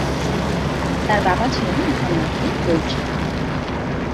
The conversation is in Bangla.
তার বাবা ছিলেন ধনাঢ্য দর্জি।